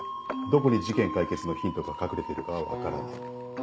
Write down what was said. どこに事件解決のヒントが隠れているかは分からない。